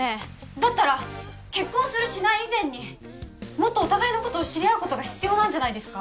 だったら結婚するしない以前にもっとお互いのことを知り合うことが必要なんじゃないですか？